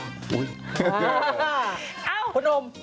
คุณโอม